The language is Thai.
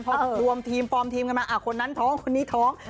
พอรวมทีมปลอมทีมกันมาคนนั้นท้องคนนี้ท้อง